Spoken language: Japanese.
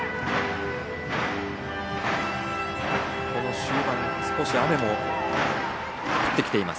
終盤、少し雨も降ってきています